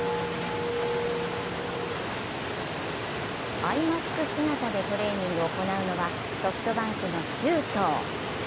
アイマスク姿でトレーニングを行うのはソフトバンクの周東。